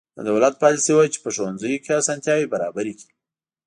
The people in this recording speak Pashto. د دولت پالیسي وه چې په ښوونځیو کې اسانتیاوې برابرې کړې.